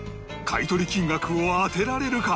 買取金額を当てられるか！？